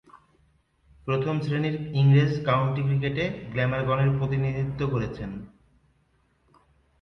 প্রথম-শ্রেণীর ইংরেজ কাউন্টি ক্রিকেটে গ্ল্যামারগনের প্রতিনিধিত্ব করেছেন।